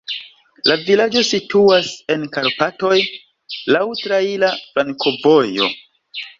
La vilaĝo situas en Karpatoj, laŭ traira flankovojo.